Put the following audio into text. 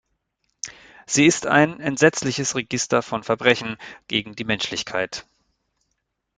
Sie ist ein entsetzliches Register von Verbrechen gegen die Menschlichkeit.